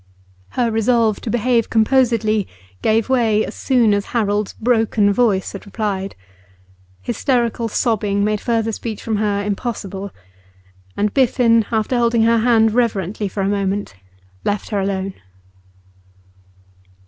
Her resolve to behave composedly gave way as soon as Harold's broken voice had replied. Hysterical sobbing made further speech from her impossible, and Biffen, after holding her hand reverently for a moment, left her alone.